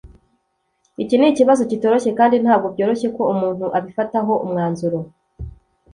Iki nikibazo kitoroshye kandi ntabwo byoroshye ko umuntu abifataho umwanzuro